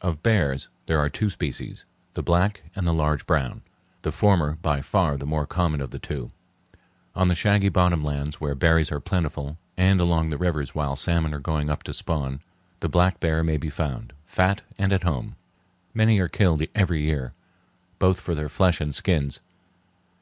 Of bears there are two species, the black and the large brown, the former by far the more common of the two. On the shaggy bottom lands where berries are plentiful, and along the rivers while salmon are going up to spawn, the black bear may be found, fat and at home. Many are killed every year, both for their flesh and skins.